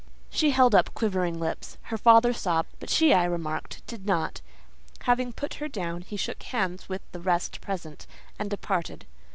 She held up quivering lips. Her father sobbed, but she, I remarked, did not. Having put her down, he shook hands with the rest present, and departed.